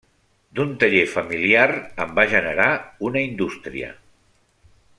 D'un taller familiar en va generar una indústria.